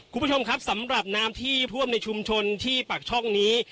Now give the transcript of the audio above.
คุณผู้ชมครับสำหรับน้ำที่ท่วมในชุมชนที่ปากช่องนี้